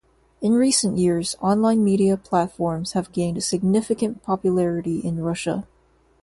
In recent years, online media platforms have gained significant popularity in Russia.